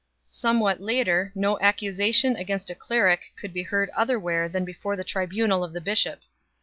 Somewhat later, no accusation against a cleric could be heard otherwhere than before the tribunal of the bishop 3